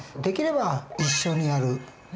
できれば一緒にやる。